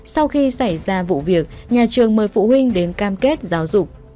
sau khi xảy ra vụ việc nhà trường mời phụ huynh đến cam kết giáo dục